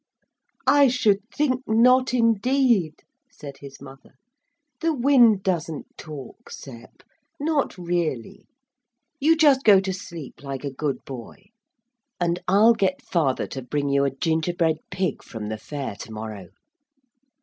'I should think not indeed,' said his mother. 'The wind doesn't talk, Sep, not really. You just go to sleep like a good boy, and I'll get father to bring you a gingerbread pig from the fair to morrow.'